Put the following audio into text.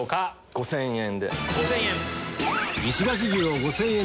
５０００円で。